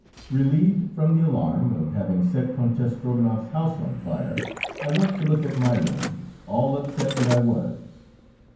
Relieved from the alarm of having set Countess Strogonoff's house on fire, I went to look at my rooms, all upset that I was.